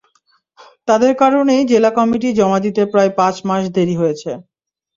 তাঁদের কারণেই জেলা কমিটি জমা দিতে প্রায় পাঁচ মাস দেরি হয়েছে।